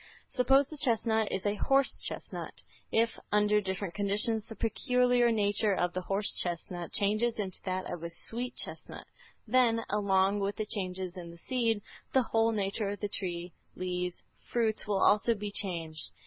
Suppose the chestnut is a horse chestnut. If, under different conditions, the peculiar nature of the horse chestnut changes into that of a sweet chestnut, then, along with the changes in the seed, the whole nature of the tree, leaves, fruits will also be changed.